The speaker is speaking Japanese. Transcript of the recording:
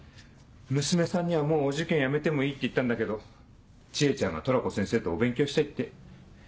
娘さんにはもうお受験やめてもいいって言ったんだけど知恵ちゃんがトラコ先生とお勉強したいって。